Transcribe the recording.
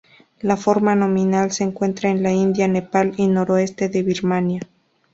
La forma nominal se encuentra en la India, Nepal y noroeste de Birmania.